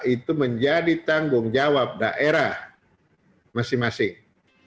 itu menjadi tanggung jawab daerah masing masing